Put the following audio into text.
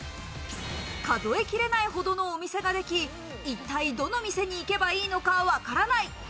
数え切れないほどのお店ができ、一体、どのお店に行けばいいのかわからない。